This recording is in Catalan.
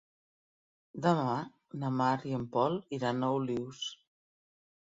Demà na Mar i en Pol iran a Olius.